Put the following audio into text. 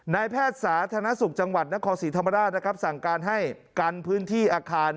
นายแพทย์สาธารณสุขจังหวัดนครศรีธรรมราชนะครับสั่งการให้กันพื้นที่อาคาร